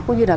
cũng như là